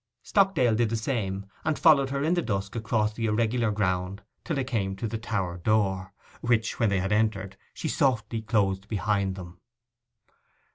Stockdale did the same, and followed her in the dusk across the irregular ground till they came to the tower door, which, when they had entered, she softly closed behind them.